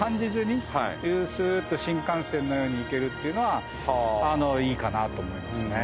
スーッと新幹線のように行けるっていうのはいいかなと思いますね。